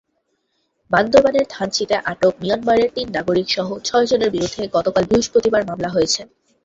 বান্দরবানের থানচিতে আটক মিয়ানমারের তিন নাগরিকসহ ছয়জনের বিরুদ্ধে গতকাল বৃহস্পতিবার মামলা হয়েছে।